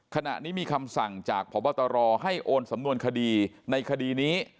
ขณะนี้มีคำสั่งจากพบตรให้โอนสำนวนคดีในคดีนี้